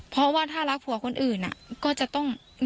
เพราะว่าถ้ารักผัวคนอื่นก็จะต้อง